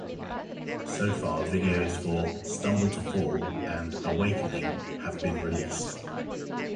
So far videos for "Stumble to Fall" and "Awakening" have been released.